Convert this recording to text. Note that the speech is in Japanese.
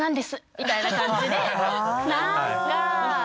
みたいな感じでなんか。